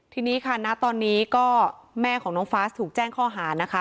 ทีนี้ค่ะณตอนนี้ก็แม่ของน้องฟาสถูกแจ้งข้อหานะคะ